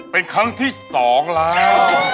เป็นครั้งที่๒แล้ว